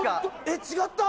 えっ違った？